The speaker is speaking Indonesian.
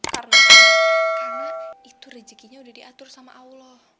karena itu rezeki udah diatur sama allah